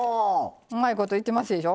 うまいこといってますでしょ。